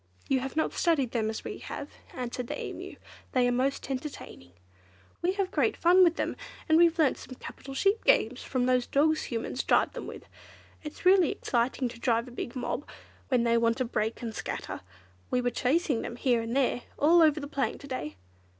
"You have not studied them as we have," answered the Emu. "They are most entertaining. We have great fun with them, and we've learnt some capital sheep games from those dogs Humans drive them with. It's really exciting to drive a big mob, when they want to break and scatter. We were chasing them, here and there, all over the plain to day."